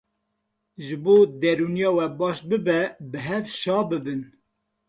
Ji bo derûniya we baş be, bi hev şa bibin.